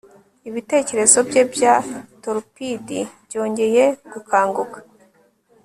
Ibitekerezo bye bya torpid byongeye gukanguka